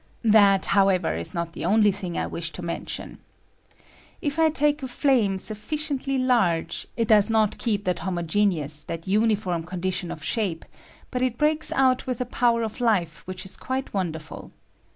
That, however, is not the only thing I wish to mention. If I take a flame sufficiently irge, it does not keep that homogeneous, that condition of shape, but it breaks out with a power of life which is quite wonderful.